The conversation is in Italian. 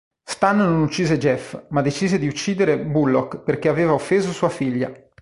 Stan non uccise Jeff, ma decise di uccidere Bullock perché aveva offeso sua figlia.